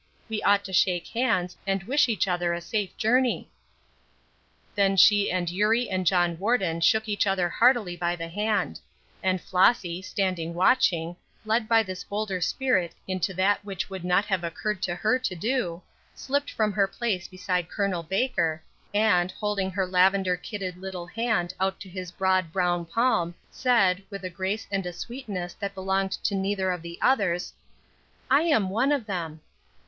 "We ought to shake hands, and wish each other a safe journey." Then she and Eurie and John Warden shook each other heartily by the hand; and Flossy, standing watching, led by this bolder spirit into that which would not have occurred to her to do, slipped from her place beside Col. Baker, and, holding her lavender kidded little hand out to his broad brown palm, said, with a grace and a sweetness that belonged to neither of the others: "I am one of them."